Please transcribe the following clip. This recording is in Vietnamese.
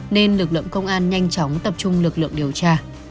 nên lực lượng công an nhanh chóng tập trung lực lượng điều tra